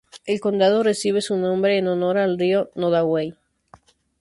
El condado recibe su nombre en honor al rio Nodaway.